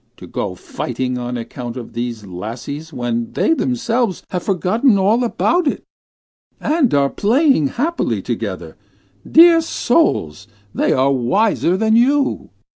To go fighting on account of these lassies, when they themselves have forgotten all about it, and are playing happily together. Dear little souls! They are wiser than you!'